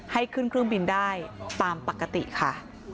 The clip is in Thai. ให้ขึ้นเครื่องบินได้ตามปกติค่ะ